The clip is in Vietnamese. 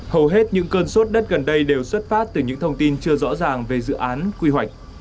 hầu hết những cơn sốt đất gần đây đều xuất phát từ những thông tin chưa rõ ràng về dự án quy hoạch